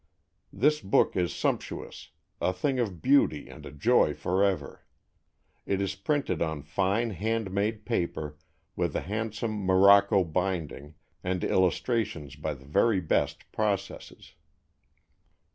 This book is sumptuous, "a thing of beauty and a joy forever." It is printed on fine hand made paper, with a handsome morocco binding, and illustrations by the very best processes.